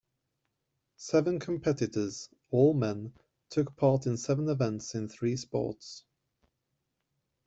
Seven competitors, all men, took part in seven events in three sports.